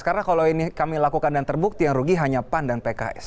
karena kalau ini kami lakukan dan terbukti yang rugi hanya pan dan pks